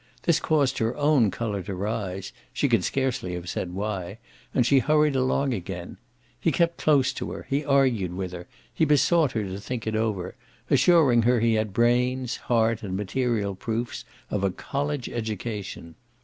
This caused her own colour to rise she could scarcely have said why and she hurried along again. He kept close to her; he argued with her; he besought her to think it over, assuring her he had brains, heart and material proofs of a college education.